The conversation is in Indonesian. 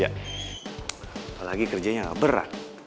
apalagi kerjanya gak berat